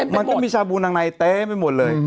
มันก็มีชาบูนางในเต็มไปหมดเลย